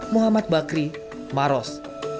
muhammad bakri maros